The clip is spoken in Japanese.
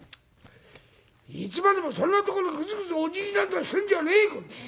いつまでもそんなところグズグズおじぎなんざしてんじゃねえこん畜生！